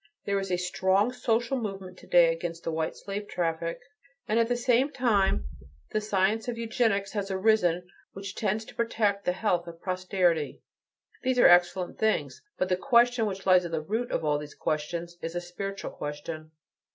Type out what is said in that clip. There is a strong social movement to day against the white slave traffic; and at the same time the science of eugenics has arisen which tends to protect the health of posterity. These are excellent things. But the question which lies at the root of all these questions is a spiritual question.